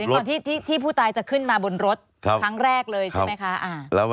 ก่อนที่ผู้ตายจะขึ้นมาบนรถครั้งแรกเลยใช่ไหมคะ